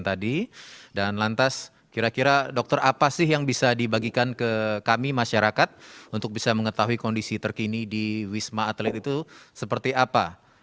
dan lantas kira kira dokter apa sih yang bisa dibagikan ke kami masyarakat untuk bisa mengetahui kondisi terkini di wisma atlet itu seperti apa